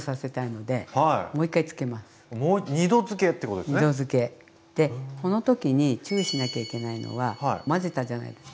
でこの時に注意しなきゃいけないのは混ぜたじゃないですか。